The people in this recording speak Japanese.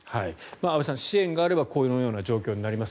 安部さん、支援があればこのような状況になります。